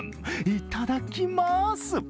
いただきます。